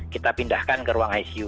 kita pindahkan ke ruang icu